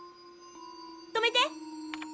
止めて！